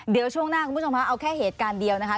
เดี๋ยวช่วงหน้าคุณผู้ชมค่ะเอาแค่เหตุการณ์เดียวนะคะ